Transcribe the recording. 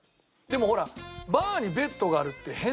でもほらバーにベッドがあるって変だし。